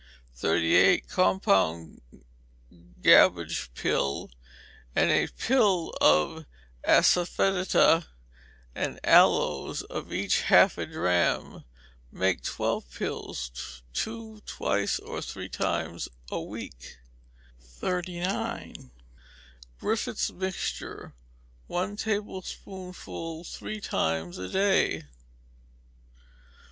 38. Compound gamboge pill, and a pill of assafoetida and aloes, of each half a drachm: make twelve pills; two twice or three times a week. 39. Griffiths' mixture one tablespoonful three times a day.